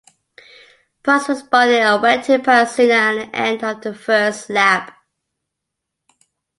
Prost responded and went to pass Senna at the end of the first lap.